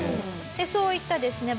そういったですね